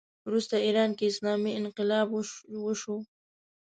وروسته ایران کې اسلامي انقلاب وشو